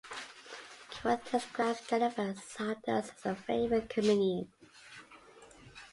Keyworth describes Jennifer Saunders as her favourite comedian.